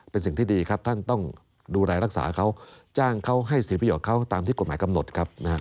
เป็นสิ่งที่ดีครับท่านต้องดูแลรักษาเขาจ้างเขาให้เสียประโยชนเขาตามที่กฎหมายกำหนดครับ